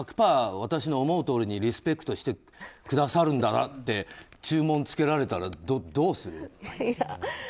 私の思うとおりにリスペクトしてくださるんだって注文つけられたらどうする？